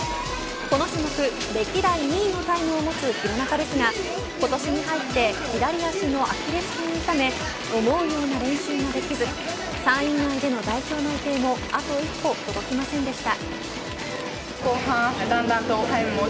この種目歴代２位のタイムを持つ廣中ですが今年に入って左足のアキレス腱を痛め思うような練習ができず３位以内での代表内定もあと一歩届きませんでした。